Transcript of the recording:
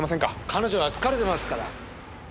彼女は疲れてますから。